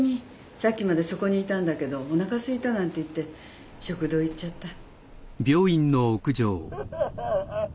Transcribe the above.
さっきまでそこにいたんだけどおなかすいたなんて言って食堂行っちゃった。